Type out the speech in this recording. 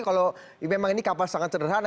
kalau memang ini kapal sangat sederhana